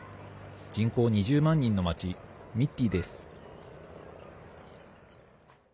人口２０万人の町ミッティです。